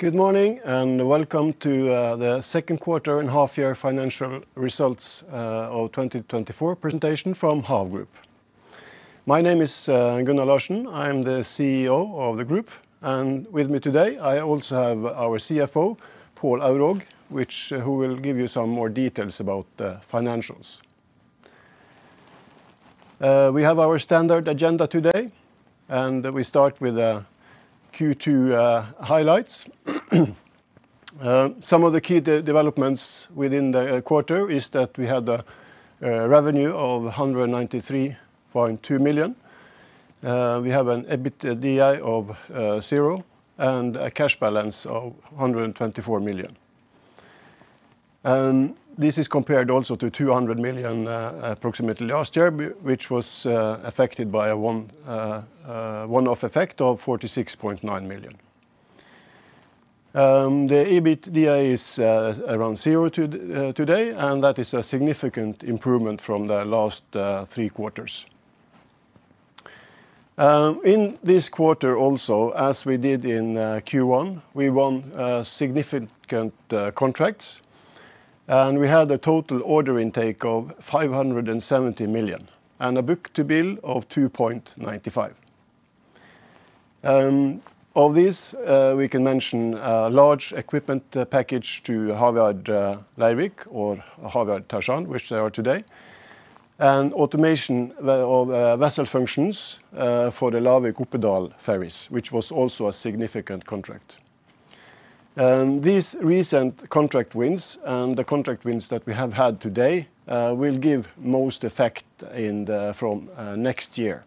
Good morning, and welcome to Q2 and half year financial results of 2024 presentation from HAV Group. My name is Gunnar Larsen. I'm the CEO of the group, and with me today, I also have our CFO, Pål Aurvåg, who will give you some more details about the financials. We have our standard agenda today, and we start with Q2 highlights. Some of the key developments within the quarter is that we had a revenue of 193.2 million. We have an EBITDA of zero and a cash balance of 124 million, and this is compared also to approximately 200 million last year, which was affected by a one-off effect of 46.9 million. The EBITDA is around zero today, and that is a significant improvement from the last three quarters. In this quarter also, as we did in Q1, we won significant contracts, and we had a total order intake of 570 million and a book-to-bill of 2.95. Of this, we can mention a large equipment package to Havyard Leirvik or Havyard Tersan, which they are today, and automation of vessel functions for the Lavik-Oppedal ferries, which was also a significant contract. And these recent contract wins and the contract wins that we have had today will give most effect from next year.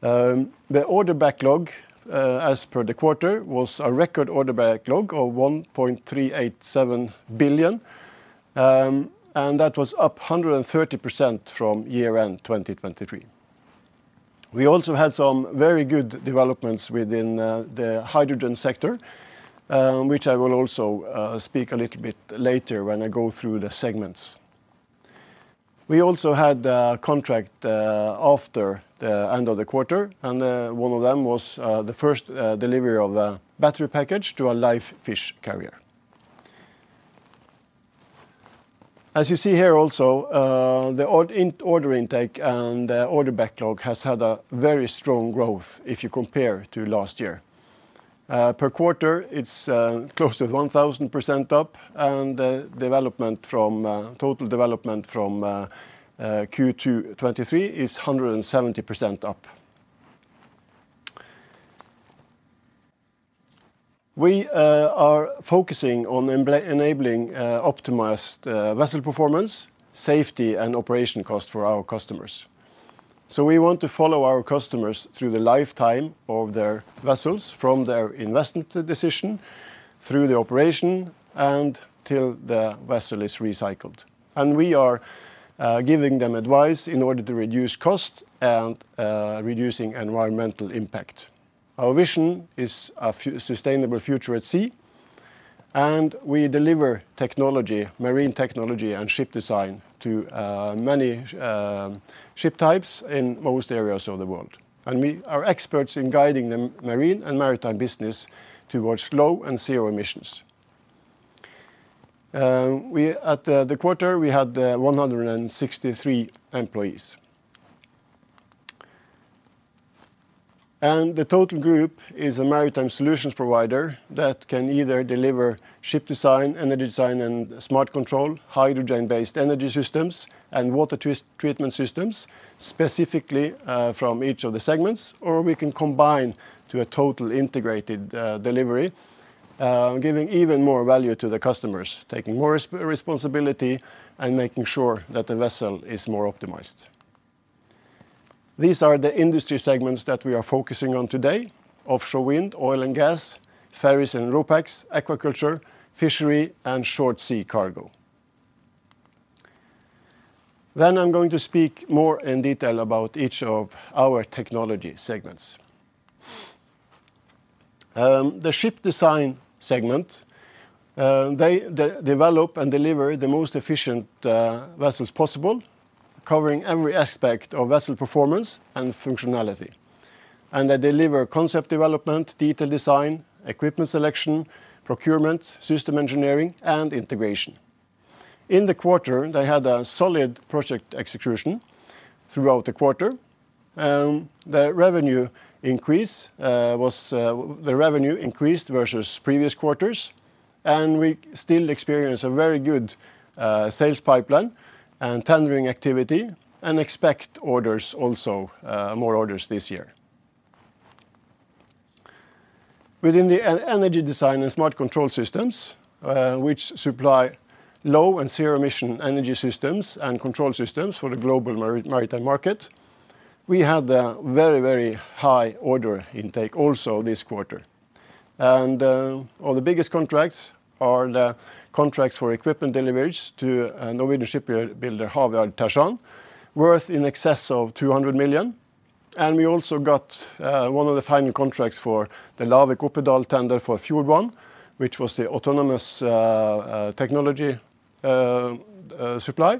The order backlog as per the quarter was a record order backlog of 1.387 billion, and that was up 130% from year-end 2023. We also had some very good developments within the hydrogen sector, which I will also speak a little bit later when I go through the segments. We also had a contract after the end of the quarter, and one of them was the first delivery of a battery package to a live fish carrier. As you see here also, the order intake and the order backlog has had a very strong growth if you compare to last year. Per quarter, it's close to 1,000% up, and the development from total development from Q2 2023 is 170% up. We are focusing on enabling optimized vessel performance, safety, and operation cost for our customers. We want to follow our customers through the lifetime of their vessels, from their investment decision, through the operation, and till the vessel is recycled. We are giving them advice in order to reduce cost and reducing environmental impact. Our vision is a sustainable future at sea, and we deliver technology, marine technology, and ship design to many ship types in most areas of the world. We are experts in guiding the marine and maritime business towards low and zero emissions. At the quarter, we had 163 employees. The total group is a maritime solutions provider that can either deliver ship design, energy design, and smart control, hydrogen-based energy systems, and water treatment systems, specifically, from each of the segments, or we can combine to a total integrated delivery, giving even more value to the customers, taking more responsibility, and making sure that the vessel is more optimized. These are the industry segments that we are focusing on today: offshore wind, oil and gas, ferries and RoPax, aquaculture, fishery, and short sea cargo. I'm going to speak more in detail about each of our technology segments. The ship design segment, they develop and deliver the most efficient vessels possible, covering every aspect of vessel performance and functionality. They deliver concept development, detail design, equipment selection, procurement, system engineering, and integration. In the quarter, they had a solid project execution throughout the quarter, and the revenue increase was the revenue increased versus previous quarters, and we still experience a very good sales pipeline and tendering activity and expect orders also more orders this year. Within the energy design and smart control systems, which supply low and zero-emission energy systems and control systems for the global maritime market, we had a very, very high order intake also this quarter. And all the biggest contracts are the contracts for equipment deliveries to a Norwegian shipbuilder, Havyard Tersan, worth in excess of 200 million. And we also got one of the final contracts for the Lavik-Oppedal tender for Fjord1, which was the autonomous technology supply.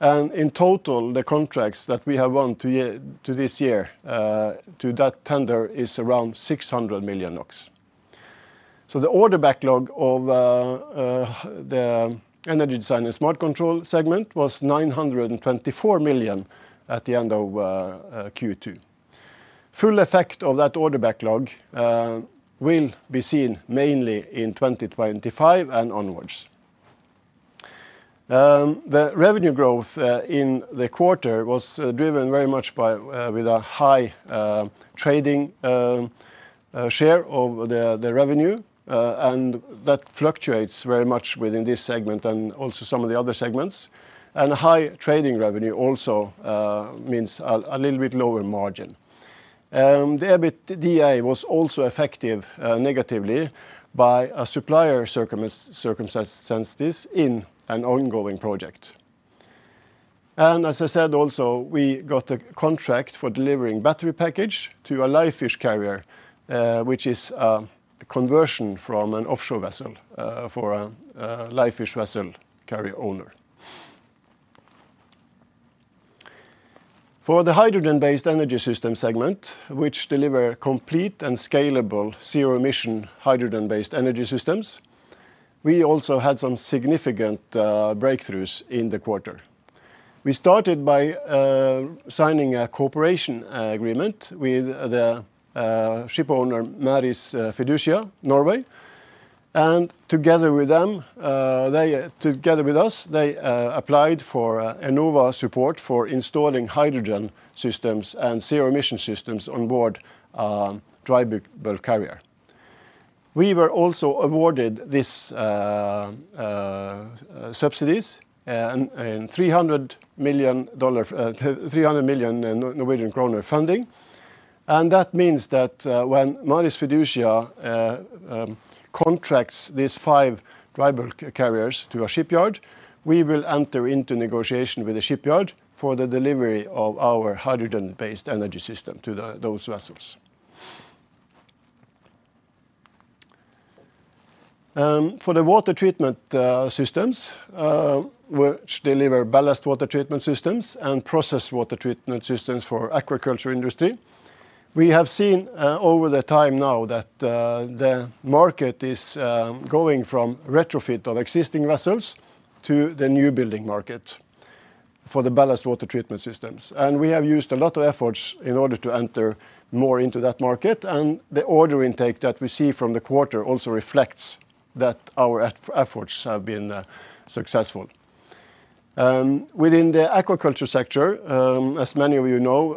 And in total, the contracts that we have won to this year to that tender is around 600 million NOK. So the order backlog of the energy design and smart control segment was 924 million at the end of Q2. Full effect of that order backlog will be seen mainly in 2025 and onwards. The revenue growth in the quarter was driven very much by, with a high trading share of the revenue. And that fluctuates very much within this segment and also some of the other segments. And high trading revenue also means a little bit lower margin. The EBITDA was also effective negatively by a supplier circumstances in an ongoing project. And as I said also, we got a contract for delivering battery package to a live fish carrier, which is a conversion from an offshore vessel, for a live fish carrier owner. For the hydrogen-based energy system segment, which deliver complete and scalable zero-emission, hydrogen-based energy systems, we also had some significant breakthroughs in the quarter. We started by signing a cooperation agreement with the ship owner, Maris Fiducia Norway. And together with them, together with us, they applied for Enova support for installing hydrogen systems and zero-emission systems on board dry bulk carrier. We were also awarded this subsidies and NOK 300 million funding. And that means that, when Maris Fiducia contracts these five dry bulk carriers to a shipyard, we will enter into negotiation with the shipyard for the delivery of our hydrogen-based energy system to those vessels. For the water treatment systems, which deliver ballast water treatment systems and process water treatment systems for aquaculture industry, we have seen over the time now that the market is going from retrofit of existing vessels to the new building market for the ballast water treatment systems. And we have used a lot of efforts in order to enter more into that market, and the order intake that we see from the quarter also reflects that our efforts have been successful. Within the aquaculture sector, as many of you know,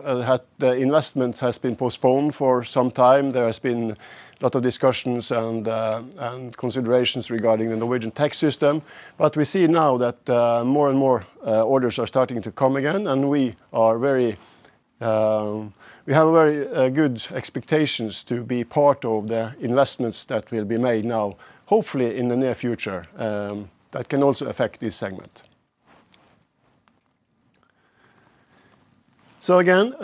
the investment has been postponed for some time. There has been a lot of discussions and considerations regarding the Norwegian tax system. But we see now that more and more orders are starting to come again, and we have a very good expectations to be part of the investments that will be made now, hopefully, in the near future, that can also affect this segment. So again,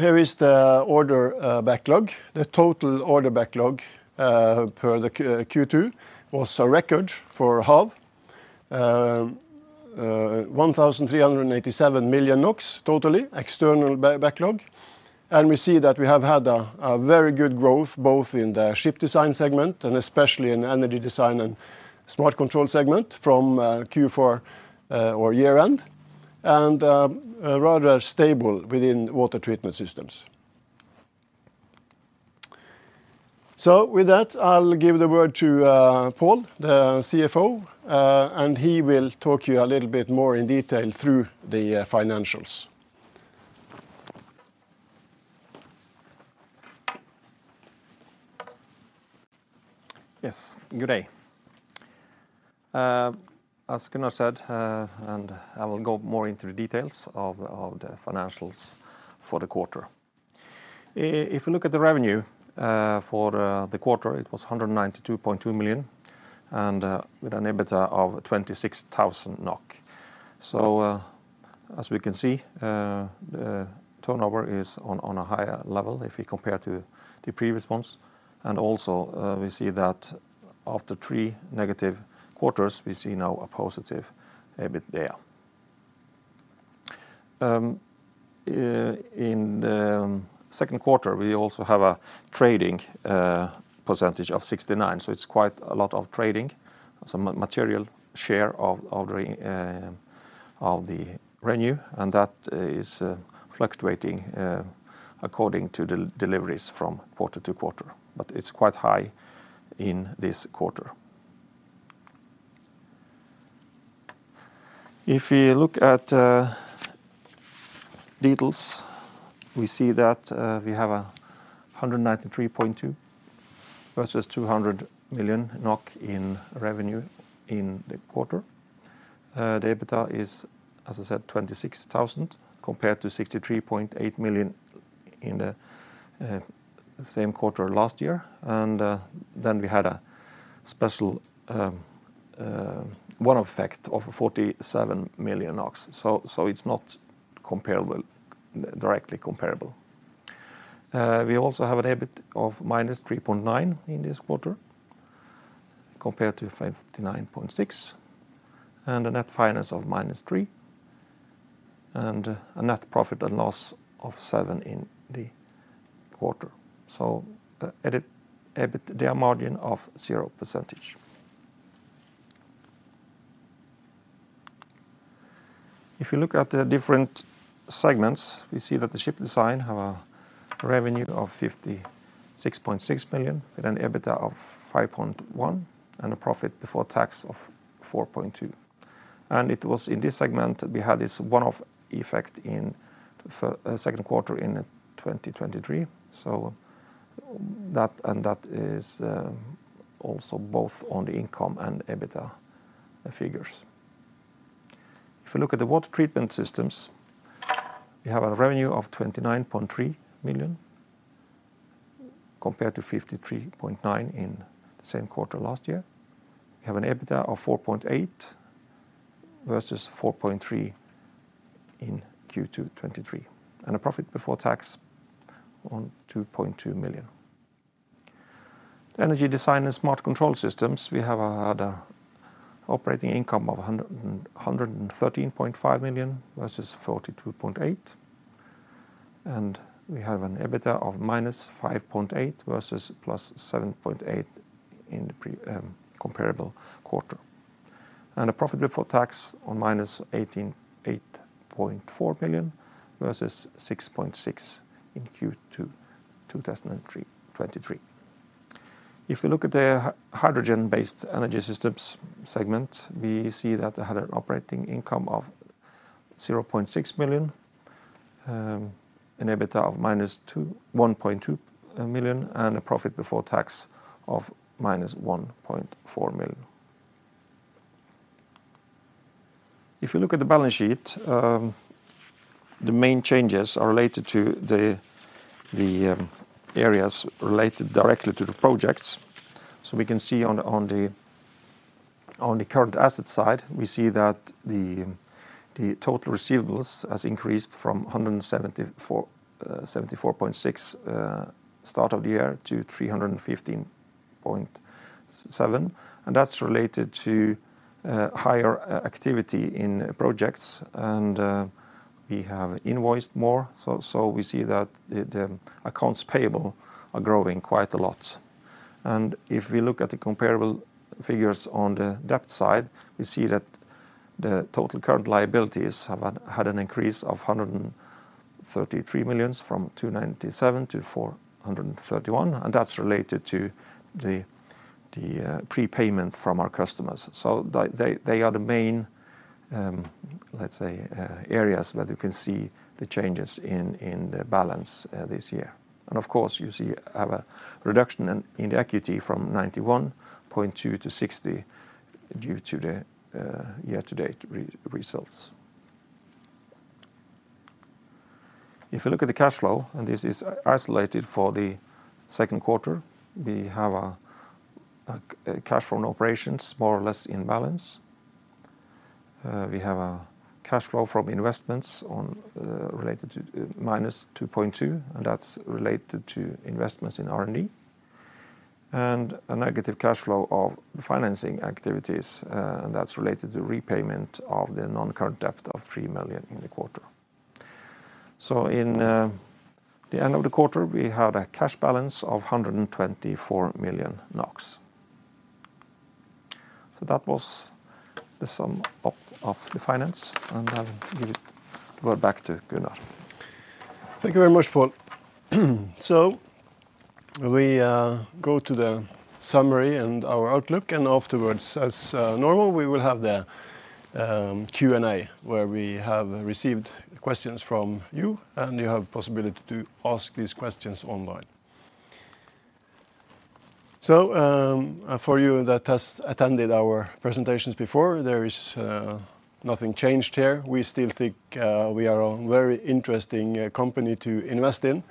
here is the order backlog. The total order backlog per the Q2 was a record for HAV, 1,387 million NOK, totally external backlog. And we see that we have had a very good growth, both in the ship design segment and especially in energy design and smart control segment from Q4 or year-end, and rather stable within water treatment systems. So with that, I'll give the word to Pål, the CFO, and he will talk to you a little bit more in detail through the financials. Yes, good day. As Gunnar said, and I will go more into the details of the financials for the quarter. If you look at the revenue for the quarter, it was 192.2 million NOK, and with an EBITDA of 26,000 NOK. So, as we can see, the turnover is on a higher level if we compare to the previous months. And also, we see that after three negative quarters, we see now a positive EBITDA. In the second quarter, we also have a trading percentage of 69%, so it's quite a lot of trading, some material share of the revenue, and that is fluctuating according to the deliveries from quarter to quarter, but it's quite high in this quarter. If we look at details, we see that we have 193.2 versus 200 million NOK in revenue in the quarter. The EBITDA is, as I said, 26,000, compared to 63.8 million in the same quarter last year. And then we had a special one effect of 47 million NOK, so it's not directly comparable. We also have an EBITDA of -3.9 in this quarter compared to 59.6, and a net finance of -3, and a net profit and loss of seven in the quarter. So adjusted EBIT margin of 0%. If you look at the different segments, we see that the ship design have a revenue of 56.6 million, with an EBITDA of 5.1, and a profit before tax of 4.2. It was in this segment, we had this one-off effect in second quarter in 2023, so that, and that is also both on the income and EBITDA figures. If you look at the water treatment systems, we have a revenue of 29.3 million, compared to 53.9 million in the same quarter last year. We have an EBITDA of 4.8 million, versus 4.3 million in Q2 2023, and a profit before tax of 2.2 million. Energy design and smart control systems, we have had an operating income of 113.5 million, versus 42.8 million. And we have an EBITDA of -5.8 million, versus +7.8 million in the previous comparable quarter. And a profit before tax on minus 18.84 million, versus 6.6 million in Q2 2023. If you look at the hydrogen-based energy systems segment, we see that they had an operating income of 0.6 million, an EBITDA of -1.2 million, and a profit before tax of -1.4 million. If you look at the balance sheet, the main changes are related to the areas related directly to the projects. So we can see on the current asset side, we see that the total receivables has increased from 174.6 start of the year, to 315.7, and that's related to higher activity in projects, and we have invoiced more. So we see that the accounts payable are growing quite a lot. And if we look at the comparable figures on the debt side, we see that the total current liabilities had an increase of 133 million, from 297 million to 431 million, and that's related to the prepayment from our customers. So they are the main, let's say, areas where you can see the changes in the balance this year. And of course, you see have a reduction in equity from 91.2 million to 60 million, due to the year-to-date results. If you look at the cash flow, and this is isolated for the second quarter, we have a cash flow operations, more or less in balance. We have a cash flow from investments related to -2.2 million, and that's related to investments in R&D, and a negative cash flow of financing activities, and that's related to repayment of the non-current debt of 3 million in the quarter, so in the end of the quarter, we had a cash balance of 124 million NOK, so that was the sum up of the finance, and I'll give it go back to Gunnar. Thank you very much, Pål. So we go to the summary and our outlook, and afterwards, as normal, we will have the Q&A, where we have received questions from you, and you have possibility to ask these questions online. So, for you that has attended our presentations before, there is nothing changed here. We still think we are a very interesting company to invest in.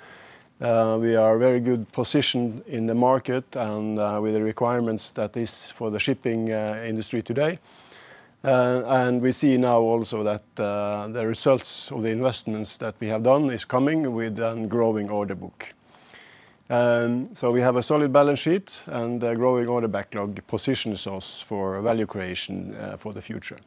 We are very good positioned in the market and with the requirements that is for the shipping industry today. And we see now also that the results of the investments that we have done is coming with an growing order book. And so we have a solid balance sheet, and a growing order backlog positions us for value creation for the future.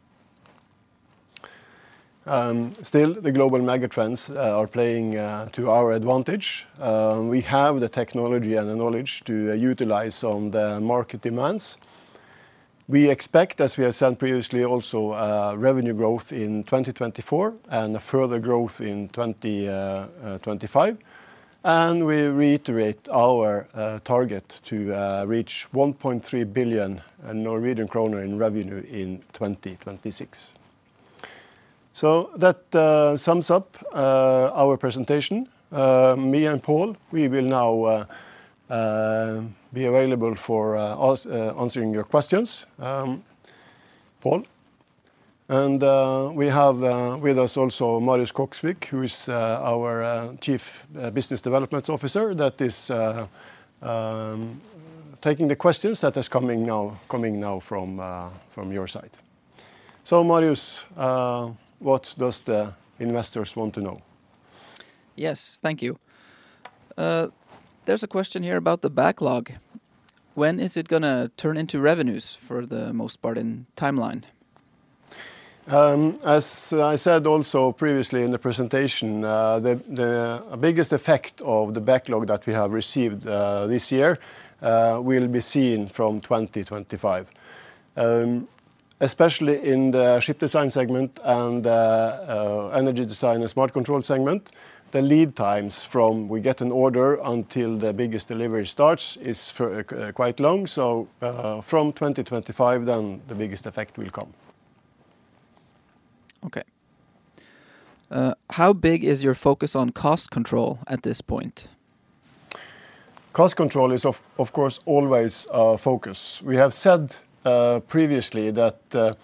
Still, the global mega trends are playing to our advantage. We have the technology and the knowledge to utilize on the market demands. We expect, as we have said previously, also, revenue growth in 2024, and a further growth in 2025. And we reiterate our target to reach 1.3 billion Norwegian kroner in revenue in 2026. So that sums up our presentation. Me and Pål, we will now be available for answering your questions. Pål, and we have with us also Marius Koksvik, who is our Chief Business Development Officer, that is taking the questions that is coming now from your side. So, Marius, what does the investors want to know?... Yes, thank you. There's a question here about the backlog. When is it gonna turn into revenues for the most part in timeline? As I said also previously in the presentation, the biggest effect of the backlog that we have received this year will be seen from 2025. Especially in the ship design segment and energy design and smart control segment, the lead times from we get an order until the biggest delivery starts is for quite long, so from 2025, then the biggest effect will come. Okay. How big is your focus on cost control at this point? Cost control is, of course, always our focus. We have said previously that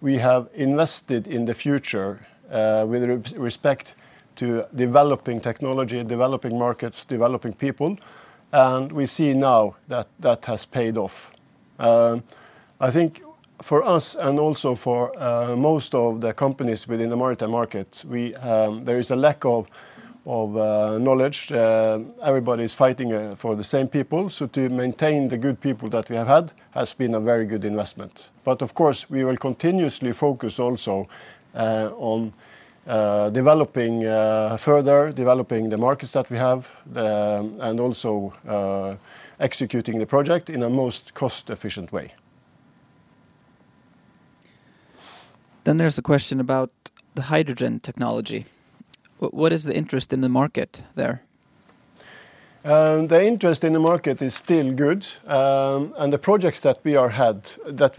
we have invested in the future with respect to developing technology, developing markets, developing people, and we see now that that has paid off. I think for us, and also for most of the companies within the maritime market, there is a lack of knowledge. Everybody's fighting for the same people, so to maintain the good people that we have had has been a very good investment. But, of course, we will continuously focus also on further developing the markets that we have and also executing the project in a most cost-efficient way. Then there's a question about the hydrogen technology. What is the interest in the market there? The interest in the market is still good. The projects that we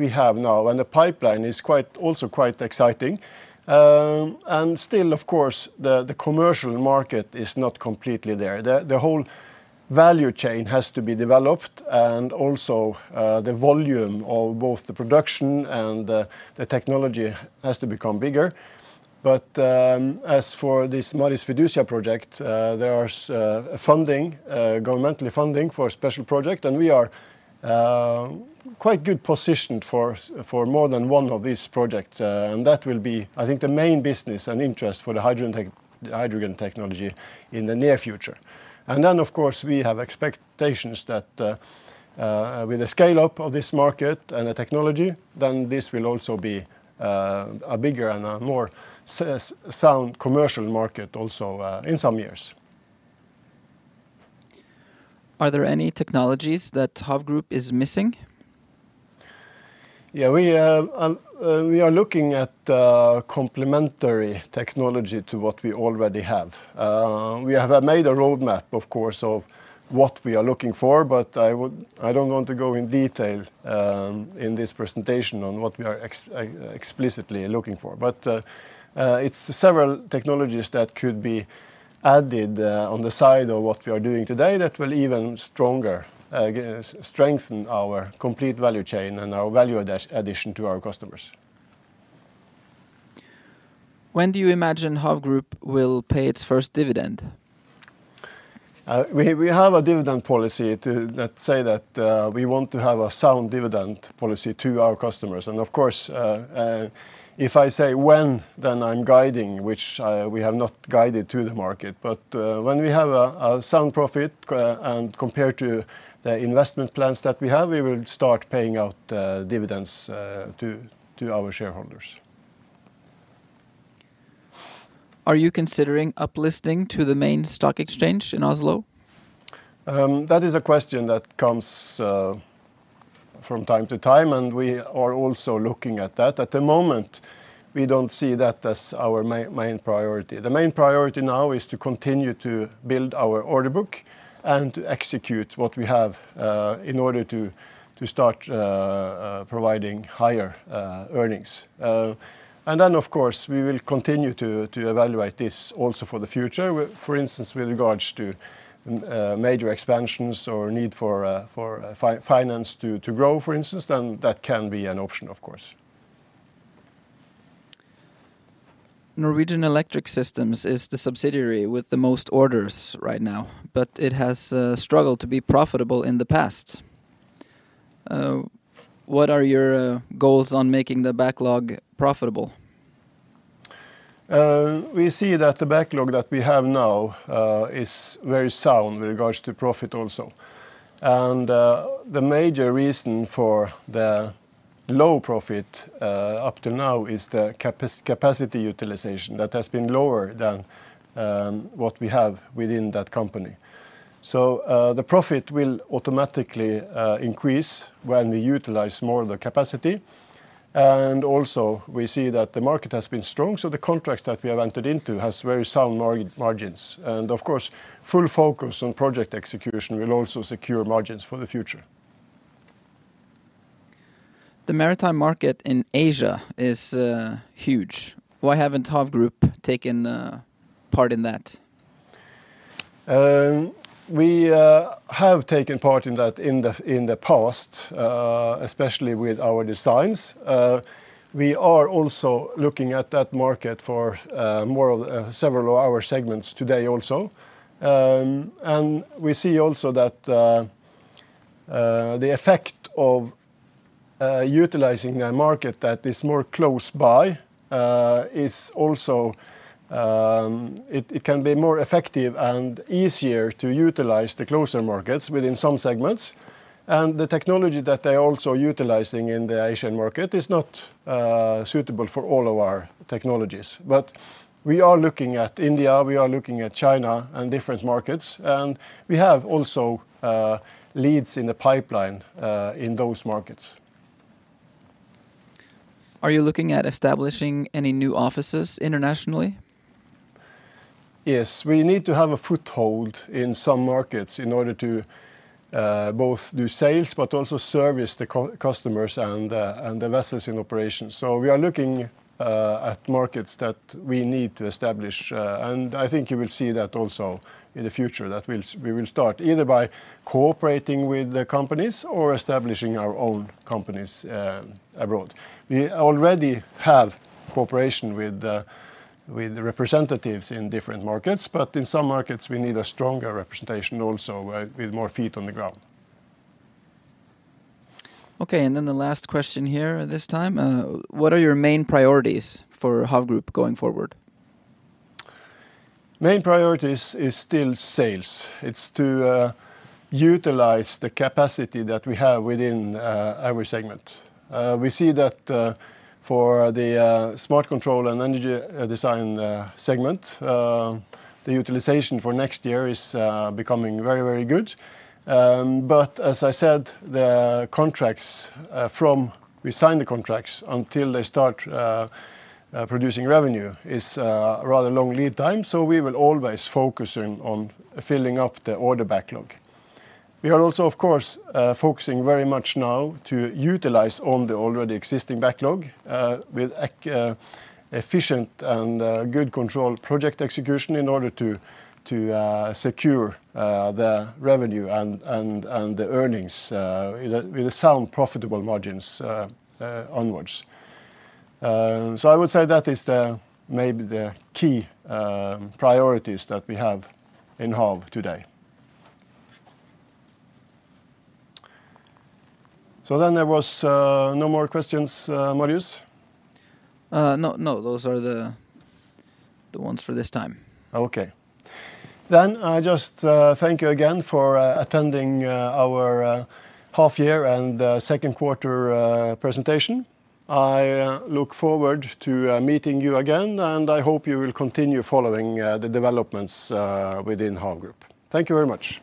have now, and the pipeline is also quite exciting. Still, of course, the commercial market is not completely there. The whole value chain has to be developed, and also the volume of both the production and the technology has to become bigger. As for this Maris Fiducia project, there is governmental funding for a special project, and we are quite good positioned for more than one of these project. That will be, I think, the main business and interest for the hydrogen technology in the near future. And then, of course, we have expectations that, with the scale-up of this market and the technology, then this will also be a bigger and a more sound commercial market also, in some years. Are there any technologies that HAV Group is missing? Yeah, we are looking at complementary technology to what we already have. We have made a roadmap, of course, of what we are looking for, but I would... I don't want to go in detail in this presentation on what we are explicitly looking for. But, it's several technologies that could be added on the side of what we are doing today that will even stronger strengthen our complete value chain and our value addition to our customers. When do you imagine HAV Group will pay its first dividend? We have a dividend policy that says that we want to have a sound dividend policy to our customers. Of course, if I say, "When?", then I'm guiding, which we have not guided to the market. When we have a sound profit and compared to the investment plans that we have, we will start paying out dividends to our shareholders. Are you considering uplisting to the main stock exchange in Oslo? That is a question that comes from time to time, and we are also looking at that. At the moment, we don't see that as our main priority. The main priority now is to continue to build our order book and to execute what we have in order to start providing higher earnings. And then, of course, we will continue to evaluate this also for the future, for instance, with regards to major expansions or need for finance to grow, for instance, then that can be an option, of course. Norwegian Electric Systems is the subsidiary with the most orders right now, but it has struggled to be profitable in the past. What are your goals on making the backlog profitable? We see that the backlog that we have now is very sound with regards to profit also. The major reason for the low profit up to now is the capacity utilization that has been lower than what we have within that company. The profit will automatically increase when we utilize more of the capacity. Also, we see that the market has been strong, so the contracts that we have entered into has very sound margins. Of course, full focus on project execution will also secure margins for the future. The maritime market in Asia is huge. Why haven't HAV Group taken part in that? We have taken part in that in the past, especially with our designs. We are also looking at that market for more several of our segments today also, and we see also that the effect of utilizing a market that is more close by is also it can be more effective and easier to utilize the closer markets within some segments, and the technology that they're also utilizing in the Asian market is not suitable for all of our technologies, but we are looking at India, we are looking at China, and different markets, and we have also leads in the pipeline in those markets. Are you looking at establishing any new offices internationally? Yes. We need to have a foothold in some markets in order to both do sales, but also service the customers and the vessels in operation. So we are looking at markets that we need to establish. And I think you will see that also in the future, that we will start either by cooperating with the companies or establishing our own companies abroad. We already have cooperation with the representatives in different markets, but in some markets, we need a stronger representation also with more feet on the ground. Okay, and then the last question here this time, what are your main priorities for HAV Group going forward? Main priorities is still sales. It's to utilize the capacity that we have within our segment. We see that for the Smart Control and Energy Design segment the utilization for next year is becoming very, very good. But as I said, the contracts from we sign the contracts until they start producing revenue is a rather long lead time, so we will always focusing on filling up the order backlog. We are also, of course, focusing very much now to utilize all the already existing backlog with efficient and good control project execution in order to secure the revenue and the earnings with a sound profitable margins onwards. So I would say that is maybe the key priorities that we have in HAV today. So then there was no more questions, Marius? No, no, those are the ones for this time. Okay, then I just thank you again for attending our half year and second quarter presentation. I look forward to meeting you again, and I hope you will continue following the developments within HAV Group. Thank you very much.